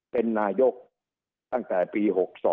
เป็นนายกตั้งแต่ปี๖๒